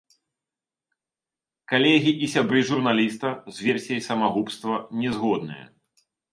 Калегі і сябры журналіста з версіяй самагубства не згодныя.